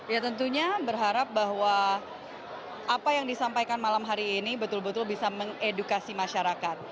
ya tentunya berharap bahwa apa yang disampaikan malam hari ini betul betul bisa mengedukasi masyarakat